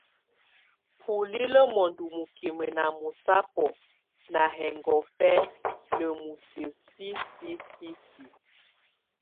Bulílə mɔndɔ mukimə ná mɔsábɔ ná hɛngɔfɛ́ ná musiə sisisisi.